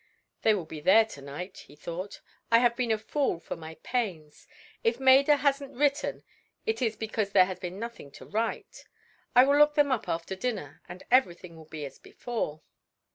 "They will be there to night," he thought. "I have been a fool for my pains. If Maida hasn't written it is because there has been nothing to write. I will look them up after dinner and everything will be as before."